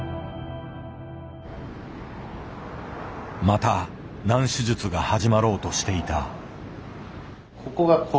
また難手術が始まろうとしていた。